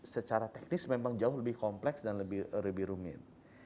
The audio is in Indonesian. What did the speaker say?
secara teknis memang jauh lebih kompleks dan lebih rumit